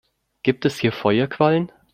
Gibt es hier Feuerquallen?